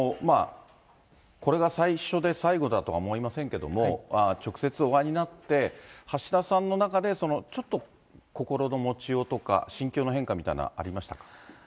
これが最初で最後だとは思いませんけれども、直接お会いになって、橋田さんの中でちょっと心の持ちようとか、心境の変化みたいな、ありました？